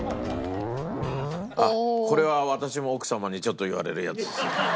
これは私も奥様にちょっと言われるやつですね。